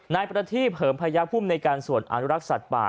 นายประธิเผิมพยายามพุ่มในการสวดอานุรักษ์สัตว์ป่า